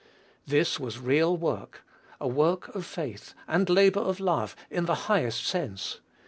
This was real work, "a work of faith and labor of love," in the highest sense.